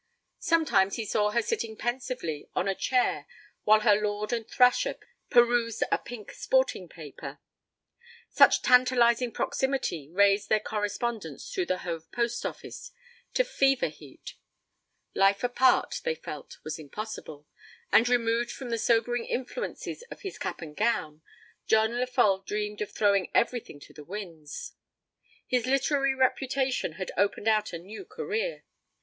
Sometimes he saw her sitting pensively on a chair while her lord and thrasher perused a pink sporting paper. Such tantalizing proximity raised their correspondence through the Hove Post Office to fever heat. Life apart, they felt, was impossible, and, removed from the sobering influences of his cap and gown, John Lefolle dreamed of throwing everything to the winds. His literary reputation had opened out a new career.